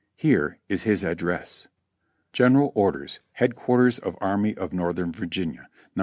Here is his address : "General Orders Headquarters of Army of Northern Virginia, "No.